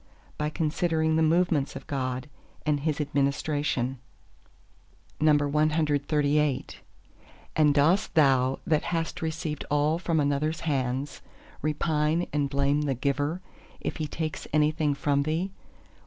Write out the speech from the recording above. By considering the movements of God, and His administration. CXXXIX And dost thou that hast received all from another's hands, repine and blame the Giver, if He takes anything from thee?